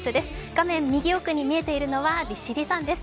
画面右奥に見えているのは利尻山です。